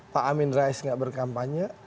pak amin rais gak berkampanye